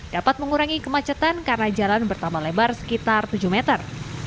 dapat mengurangi kemacetan karena jalan bertambah lebar sekitar tujuh meter